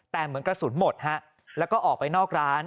แต่เหมือนกระสุนหมดฮะแล้วก็ออกไปนอกร้าน